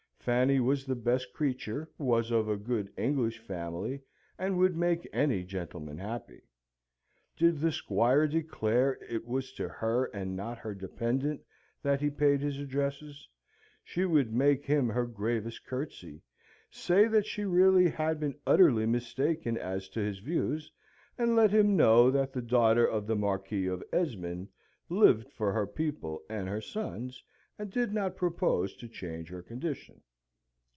Fanny was the best creature, was of a good English family, and would make any gentleman happy. Did the Squire declare it was to her and not her dependant that he paid his addresses; she would make him her gravest curtsey, say that she really had been utterly mistaken as to his views, and let him know that the daughter of the Marquis of Esmond lived for her people and her sons, and did not propose to change her condition.